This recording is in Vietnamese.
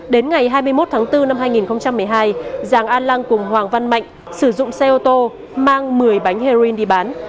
đến ngày hai mươi một tháng bốn năm hai nghìn một mươi hai giàng an lan cùng hoàng văn mạnh sử dụng xe ô tô mang một mươi bánh heroin đi bán